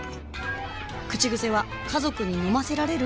口癖は「家族に飲ませられる？」